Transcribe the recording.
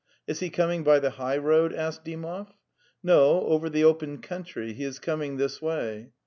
"Ts he coming by the highroad?"' asked Dymov. '"No, over the open country. ... He is coming this way."